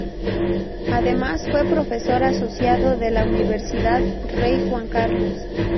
Además, fue profesor asociado de la Universidad Rey Juan Carlos.